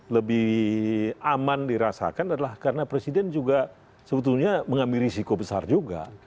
lebih aman dirasakan adalah karena presiden juga sebetulnya mengambil risiko besar juga